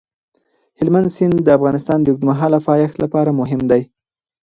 هلمند سیند د افغانستان د اوږدمهاله پایښت لپاره مهم دی.